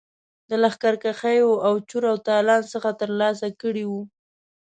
د لښکرکښیو او چور او تالان څخه ترلاسه کړي وه.